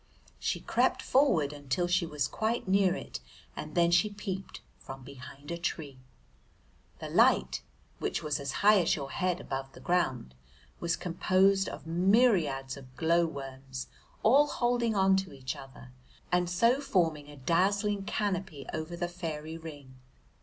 She crept forward until she was quite near it, and then she peeped from behind a tree. The light, which was as high as your head above the ground, was composed of myriads of glow worms all holding on to each other, and so forming a dazzling canopy over the fairy ring.